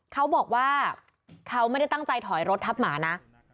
เขาบอกว่าเขาไม่ได้ตั้งใจถอยรถทับหมานะ